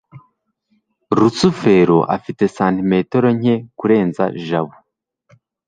rusufero afite santimetero nke kurenza jabo